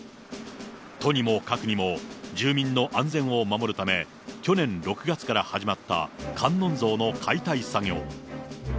とにもかくにも、住民の安全を守るため、去年６月から始まった観音像の解体作業。